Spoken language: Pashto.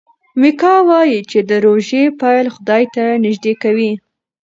میکا وايي چې د روژې پیل خدای ته نژدې کوي.